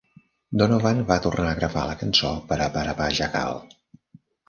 Donovan va tornar a gravar la cançó per a 'Barabajagal'.